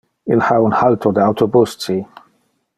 Il ha un halto de autobus ci.